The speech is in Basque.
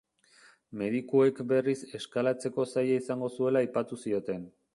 Medikuek berriz eskalatzeko zaila izango zuela aipatu zioten.